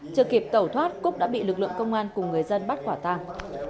chờ kịp tẩu thoát cúc đã bị lực lượng công an cùng người dân bắt khỏa tang